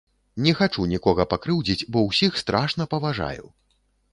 Не хачу нікога пакрыўдзіць, бо ўсіх страшна паважаю!